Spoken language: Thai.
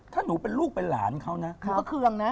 ถ้าหนูเป็นลูกเป็นหลานเขานะหนูก็เคืองนะ